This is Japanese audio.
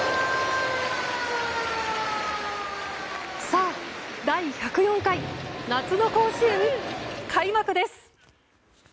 さあ、第１０４回夏の甲子園開幕です。